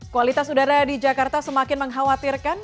kualitas udara di jakarta semakin mengkhawatirkan